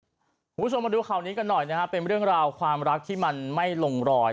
คุณผู้ชมมาดูข่าวนี้กันหน่อยนะครับเป็นเรื่องราวความรักที่มันไม่ลงรอย